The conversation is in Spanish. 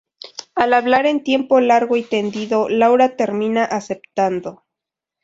Al hablar en tiempo largo y tendido, Laura termina aceptando.